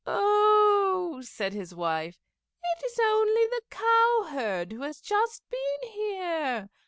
"Oh!" said his wife, "it is only the cowherd, who has just been here.